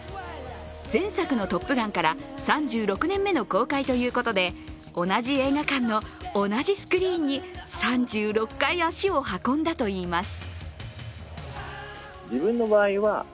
前作の「トップガン」から３６年目の公開ということで、同じ映画館の、同じスクリーンに３６回足を運んだといいます。